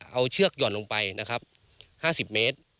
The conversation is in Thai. เอาเชือกหย่อนลง๕๐เมตร